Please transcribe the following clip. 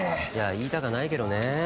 いや言いたかないけどね。